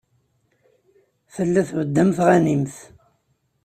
Tella tbedd am tɣanimt.